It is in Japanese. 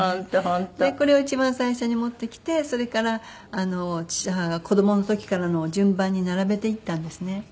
これを一番最初に持ってきてそれから父と母が子どもの時からのを順番に並べていったんですね。